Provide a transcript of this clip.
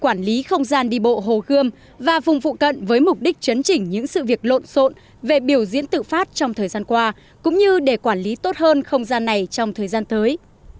quản lý không gian đi bộ hồ gươm và vùng phụ cận với mục đích chấn chỉnh những sự việc lộn xộn về biểu diễn tự phát trong thời gian qua cũng như để quản lý tốt hơn không gian này trong thời gian tới